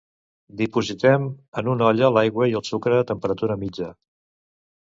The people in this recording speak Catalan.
Dipositem en una olla l'aigua i el sucre a temperatura mitja.